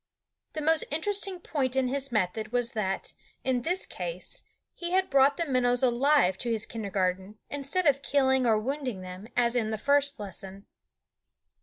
The most interesting point in his method was that, in this case, he had brought the minnows alive to his kindergarten, instead of killing or wounding them, as in the first lesson.